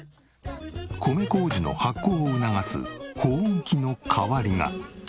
米麹の発酵を促す保温器の代わりが。